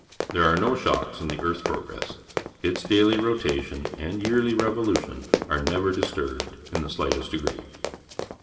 There are no shocks in the earth's progress; its daily rotation and yearly revolution are never disturbed in the slightest degree.